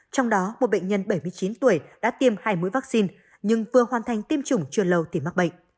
trong đó một bệnh nhân bảy mươi chín tuổi đã tiêm hai mũi vaccine nhưng vừa hoàn thành tiêm chủng chưa lâu thì mắc bệnh